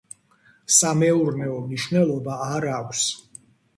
სამეურნეო მნიშვნელობა არ აქვს.